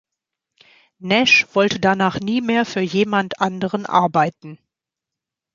Nash wollte danach nie mehr für jemand anderen arbeiten.